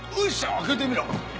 開けてみろ。